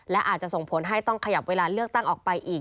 และอาจจะส่งผลให้ต้องขยับเวลาเลือกตั้งออกไปอีก